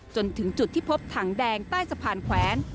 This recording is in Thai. จนถึงจุดที่พบถังแดงใต้สะพานแขวน